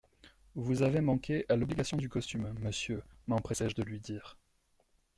Vous avez manqué à l'obligation du costume, monsieur, m'empressai-je de lui dire.